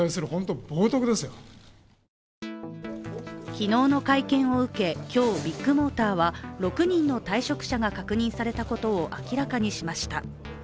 昨日の会見を受け、今日ビッグモーターは６人の退職者が確認されたことを明らかにしました。